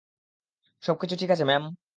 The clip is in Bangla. সবকিছু ঠিক আছে, ম্যাম?